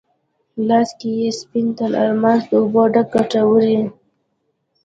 لاس کې یې سپین تر الماس، د اوبو ډک کټوری،